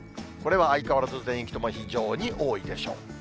これは相変わらず、全域とも非常に多いでしょう。